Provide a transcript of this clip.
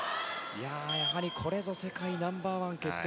やはりこれぞ世界ナンバーワン決定